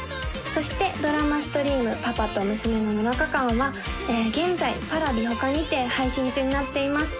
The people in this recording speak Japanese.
そしてドラマストリーム「パパとムスメの７日間」は現在Ｐａｒａｖｉほかにて配信中になっています